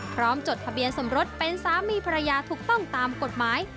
จดทะเบียนสมรสเป็นสามีภรรยาถูกต้องตามกฎหมาย